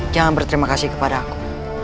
jangan berterima kasih kepada aku